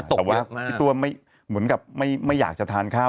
แต่ว่าพี่ตัวไม่เหมือนกับไม่อยากจะทานข้าว